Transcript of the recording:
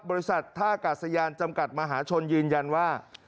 บริษัทท่ากาศยานจำกัดมหาชนยืนยันว่า